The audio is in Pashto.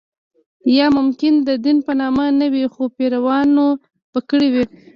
یا ممکن د دین په نامه نه وي خو پیروانو به کړې وي.